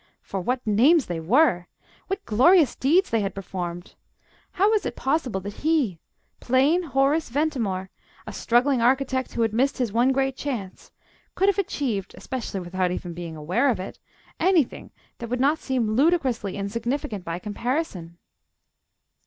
For what names they were! What glorious deeds they had performed! How was it possible that he plain Horace Ventimore, a struggling architect who had missed his one great chance could have achieved (especially without even being aware of it) anything that would not seem ludicrously insignificant by comparison?